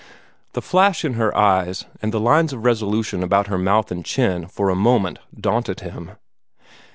The flash in her eyes and the lines of resolution about her mouth and chin for a moment daunted him.